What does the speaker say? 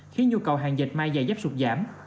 khiến nhu cầu hàng dẹp may dày dắp sụt giảm